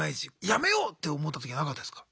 やめようって思った時なかったですか？